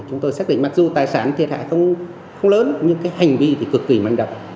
chúng tôi xác định mặc dù tài sản thiệt hại không lớn nhưng cái hành vi thì cực kỳ manh động